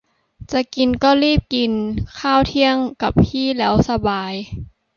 จะกินก็รีบกิน ข้าวเที่ยงกับพี่แล้วสบาย